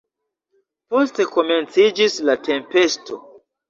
Poste komenciĝis la tempesto.